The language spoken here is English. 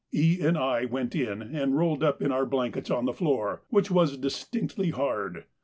E. and I went in and rolled up in our blankets on the floor, which was distinctly hard.